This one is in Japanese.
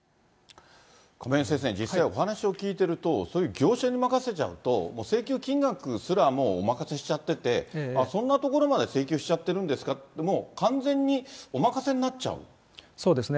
亀井先生、実際お話を聞いていると、そういう業者に任せちゃうと、もう請求金額すらもお任せしちゃってて、そんなところまで請求しちゃってるんですかって、もう完全にお任そうですね。